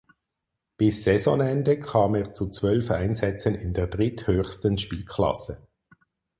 Bis Saisonende kam er zu zwölf Einsätzen in der dritthöchsten Spielklasse.